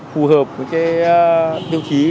phù hợp với cái tiêu chí